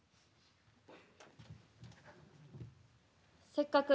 せっかく。